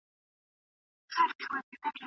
کبابي خپلې پیسې په بکس کې په ترتیب کېښودې.